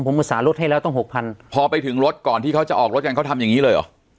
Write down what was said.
ผมอุตส่าหลดให้แล้วต้องหกพันพอไปถึงรถก่อนที่เขาจะออกรถกันเขาทำอย่างงี้เลยเหรอ